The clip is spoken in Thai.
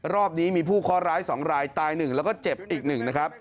รอบนี้มีผู้คอร้ายสองรายตายหนึ่งแล้วก็เจ็บอีกหนึ่งนะครับ